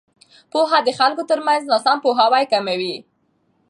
پوهه د خلکو ترمنځ ناسم پوهاوی کموي.